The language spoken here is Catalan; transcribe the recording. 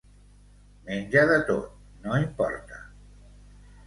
Menja de tot, no importa.